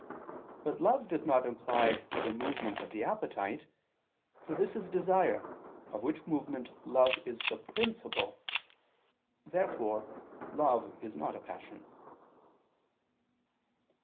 But love does not imply the movement of the appetite; for this is desire, of which movement love is the principle. Therefore love is not a passion.